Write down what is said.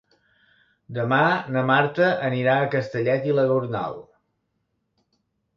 Demà na Marta anirà a Castellet i la Gornal.